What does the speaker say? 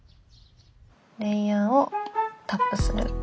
レイヤーをタップする。